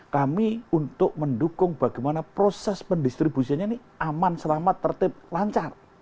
kami untuk mendukung bagaimana proses pendistribusiannya ini aman selamat tertib lancar